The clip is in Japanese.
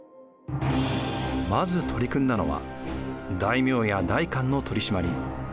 まず取り組んだのは大名や代官の取り締まり。